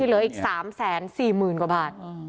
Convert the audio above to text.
เหลืออีก๓๔๐๐๐กว่าบาท